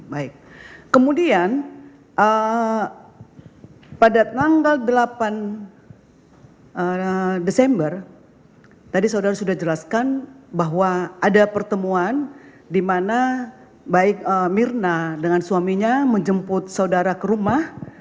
baik kemudian pada tanggal delapan desember tadi saudara sudah jelaskan bahwa ada pertemuan di mana baik mirna dengan suaminya menjemput saudara ke rumah